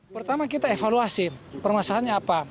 pertama kita evaluasi permasalahannya apa